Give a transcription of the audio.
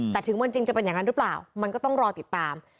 แต่ถึงวันจริงจะเป็นอย่างนั้นหรือเปล่ามันก็ต้องรอติดตาม